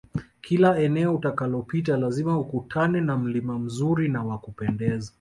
Kila eneo utakalopita lazima ukutane na mlima mzuri na wa kupendeza